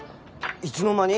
いつの間に？